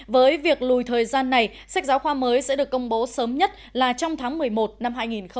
với việc lùi thời gian này sách giáo khoa mới sẽ được công bố sớm nhất là trong tháng một mươi một năm hai nghìn hai mươi